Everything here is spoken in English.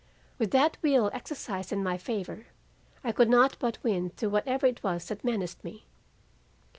With that will exercised in my favor, I could not but win through whatever it was that menaced me.